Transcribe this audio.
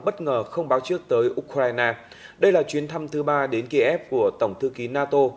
bất ngờ không báo trước tới ukraine đây là chuyến thăm thứ ba đến kiev của tổng thư ký nato